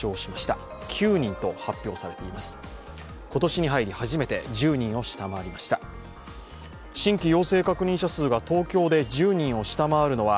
今年に入り初めて１０人を下回りました。